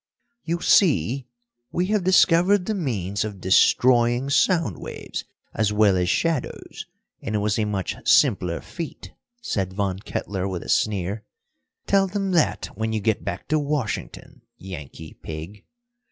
"You see, we have discovered the means of destroying sound waves as well as shadows, and it was a much simpler feat," said Von Kettler with a sneer. "Tell them that when you get back to Washington, Yankee pig.